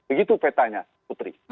begitu petanya putri